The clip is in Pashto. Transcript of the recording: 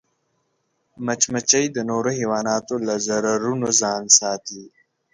مچمچۍ د نورو حیواناتو له ضررونو ځان ساتي